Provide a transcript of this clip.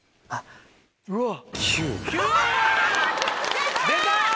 出た！